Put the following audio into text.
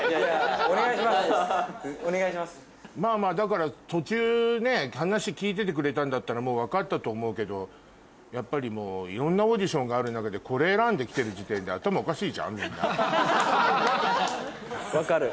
まぁだから途中ね話聞いててくれたんだったらもう分かったと思うけどやっぱりいろんなオーディションがある中でこれ選んで来てる時点で頭おかしいじゃんみんな。